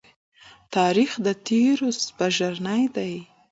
تاریخ د تېرو سپږېرنی دی.